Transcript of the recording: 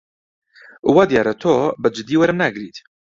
وا دیارە تۆ بە جددی وەرم ناگریت.